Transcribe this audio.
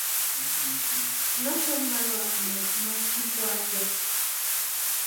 ¿Naxani marhuasïni enka ma pʼikwaki ya?